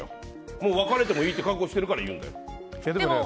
もう別れてもいいって覚悟してるから言うんだよ。